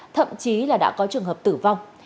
thậm chí là đã có trường hợp tử vong